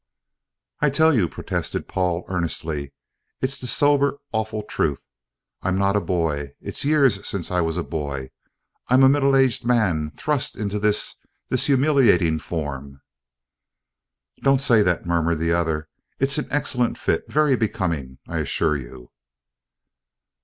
"I tell you," protested Paul earnestly, "it's the sober awful truth I'm not a boy, it's years since I was a boy I'm a middle aged man, thrust into this, this humiliating form." "Don't say that," murmured the other; "it's an excellent fit very becoming, I assure you."